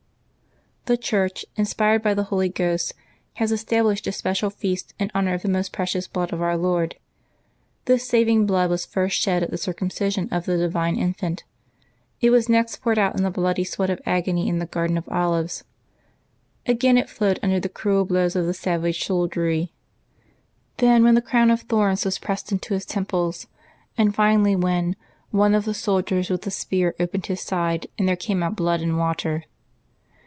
^^HE Church, inspired by the Holy Ghost, has estab V^ lished a special feast in honor of the Most Precious Blood of Our Lord. This saving blood was first shed at the circumcision of the divine Infant; it was next poured out in the bloody sweat of agony in the Garden of Olives ; again it flowed under the cruel blows of the savage soldiery; then when the crown of thorns was pressed into His temples ; and finally when ^^ one of the soldiers with a spear opened His side, and there came out blood and water."